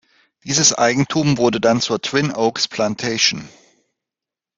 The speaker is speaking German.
Dieses Eigentum wurde dann zur Twin Oaks Plantation.